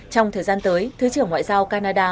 trong thời gian tới thứ trưởng ngoại giao canada